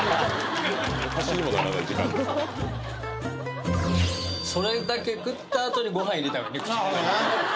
今それだけ食ったあとにご飯入れたいよね